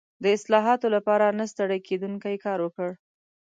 د اصلاحاتو لپاره نه ستړی کېدونکی کار وکړ.